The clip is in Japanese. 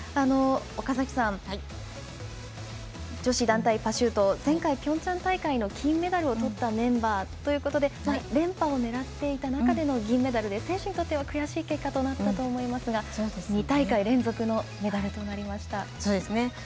岡崎さん女子団体パシュート全体ピョンチャン大会の金メダルをとったメンバーということで連覇を狙っていた中での銀メダルで選手にとっては悔しい大会になりましたが２大会連続のメダルとなりました。